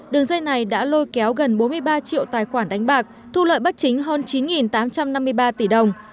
đường dây này đã lôi kéo gần bốn mươi ba triệu tài khoản đánh bạc thu lợi bất chính hơn chín tám trăm năm mươi ba tỷ đồng